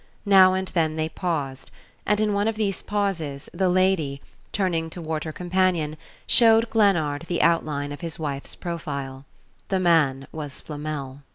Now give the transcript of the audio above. Now and then they paused, and in one of these pauses the lady, turning toward her companion, showed Glennard the outline of his wife's profile. The man was Flamel.